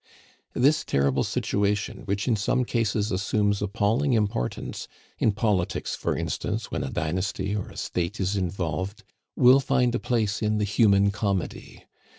This terrible situation, which in some cases assumes appalling importance in politics, for instance, when a dynasty or a state is involved will find a place in the HUMAN COMEDY.